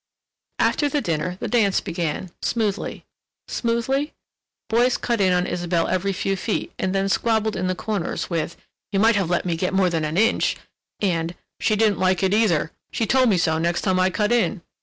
After the dinner the dance began... smoothly. Smoothly?—boys cut in on Isabelle every few feet and then squabbled in the corners with: "You might let me get more than an inch!" and "She didn't like it either—she told me so next time I cut in."